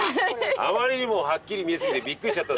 あまりにもはっきり見えすぎてビックリしちゃったんですよね